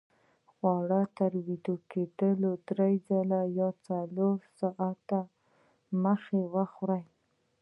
خواړه تر ویده کېدو درې یا څلور ساته دمخه وخورئ